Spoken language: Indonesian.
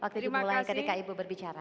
waktu dimulai ketika ibu berbicara